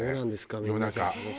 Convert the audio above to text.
夜中。